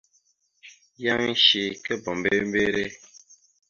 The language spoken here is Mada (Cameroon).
Yan eshekabámber mbere.